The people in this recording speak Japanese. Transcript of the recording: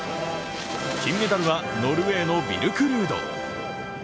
金メダルはノルウェーのビルク・ルード。